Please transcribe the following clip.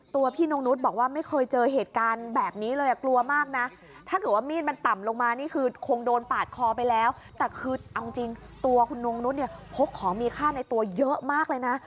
ตัวคุณนุ้งนุ้นเนี่ยพกของมีค่าในตัวเยอะมากเลยนะ